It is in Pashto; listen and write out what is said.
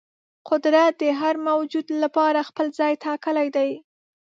قدرت د هر موجود لپاره خپل ځای ټاکلی دی.